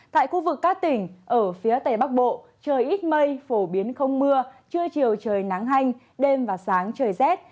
tại khu vực các tỉnh ở phía tây bắc bộ trời ít mây phổ biến không mưa trưa chiều trời nắng hanh đêm và sáng trời rét